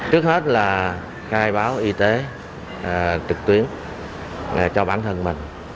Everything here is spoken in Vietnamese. trước hết là khai báo y tế trực tuyến cho bản thân mình